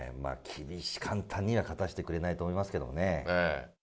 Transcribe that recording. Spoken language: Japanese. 簡単には勝たせてくれないと思いますけどね。